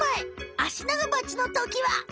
アシナガバチのときは。